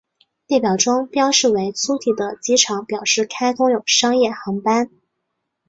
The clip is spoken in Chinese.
列表中标示为粗体的机场表示开通有商业航班。